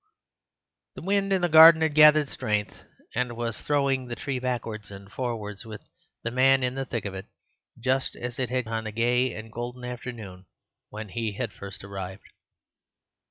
The wind in the garden had gathered strength, and was throwing the tree backwards and forwards with the man in the thick of it, just as it had on the gay and golden afternoon when he had first arrived.